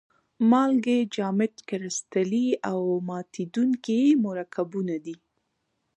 مالګې جامد کرستلي او ماتیدونکي مرکبونه دي.